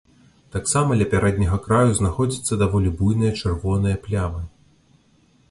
Таксама ля пярэдняга краю знаходзяцца даволі буйныя чырвоныя плямы.